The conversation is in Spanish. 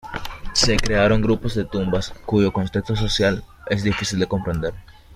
Se crearon grupos de tumbas, cuyo contexto social es difícil de comprender.